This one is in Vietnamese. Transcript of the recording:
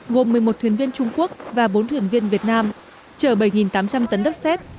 gồm một mươi một thuyền viên trung quốc và bốn thuyền viên việt nam chở bảy tám trăm linh tấn đất xét